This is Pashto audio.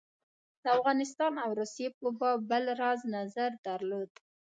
د افغانستان او روسیې په باب بل راز نظر درلود.